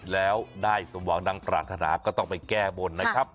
แล้วได้สมหวังดังปรารถนาก็ต้องไปแก้บนนะครับ